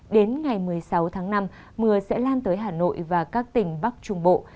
đến ngày một mươi sáu tháng năm mưa sẽ lan tới hà nội và các tỉnh bắc trung bộ